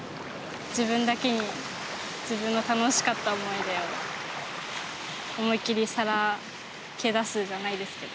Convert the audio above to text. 自分だけに自分の楽しかった思い出を思い切りさらけ出すじゃないですけど。